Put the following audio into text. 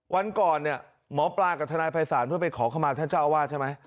วันก่อนหมอปลากับทนายภัยศาลเพื่อไปขอขมาท่านเจ้าว่าใช่ไหม